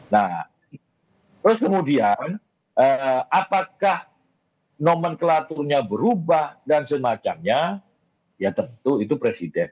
nah terus kemudian apakah nomenklaturnya berubah dan semacamnya ya tentu itu presiden